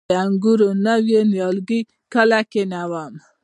د انګورو نوي نیالګي کله کینوم؟